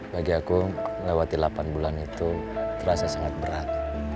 bagi aku melewati delapan bulan itu terasa sangat berat